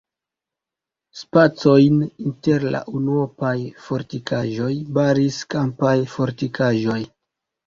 Spacojn inter la unuopaj fortikaĵoj baris kampaj fortikaĵoj.